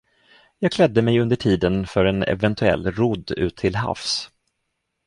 Jag klädde mig under tiden för en eventuell rodd ut till havs.